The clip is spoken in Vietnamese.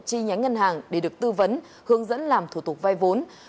chi nhánh ngân hàng để được tư vấn hướng dẫn làm thủ tục vay vốn